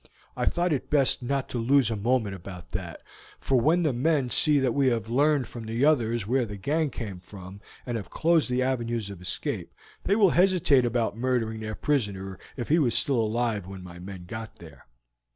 I thought it best not to lose a moment about that, for when the men see that we have learned from the others where the gang came from, and have closed the avenues of escape, they will hesitate about murdering their prisoner if he was still alive when my men got there."